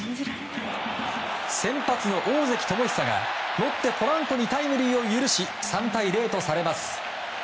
先発、大関友久がロッテ、ポランコにタイムリーを許し３対０とされます。